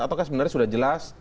atau sebenarnya sudah jelas